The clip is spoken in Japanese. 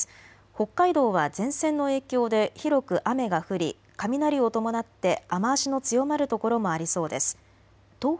北海道は前線の影響で広く雨が降り雷を伴って雨足の強まる所もありそうです。